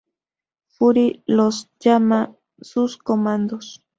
Fury los llama sus "Comandos".